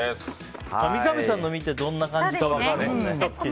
三上さんの見てどんな感じか分かるね。